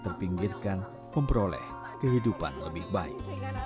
terpinggirkan memperoleh kehidupan lebih baik